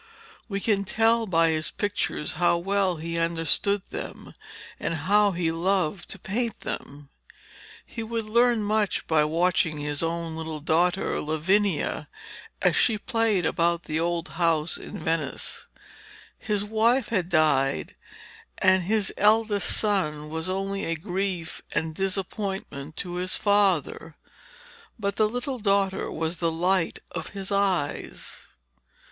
We can tell by his pictures how well he understood them and how he loved to paint them. He would learn much by watching his own little daughter Lavinia as she played about the old house in Venice. His wife had died, and his eldest son was only a grief and disappointment to his father, but the little daughter was the light of his eyes.